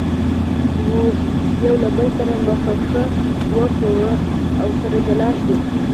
موږ یو له بل سره مخه ښه وکړه او سره جلا شوو.